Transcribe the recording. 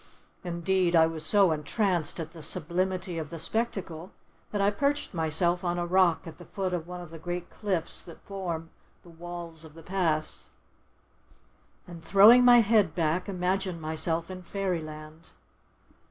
Indeed, I was so entranced at the sublimity of the spectacle, that I perched myself on a rock at the foot of one of the great cliffs that form the walls of the Pass, and, throwing my head back, imagined myself in fairyland.